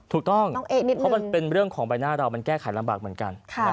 ถูกต้องเพราะมันเป็นเรื่องของใบหน้าเรามันแก้ไขลำบากเหมือนกัน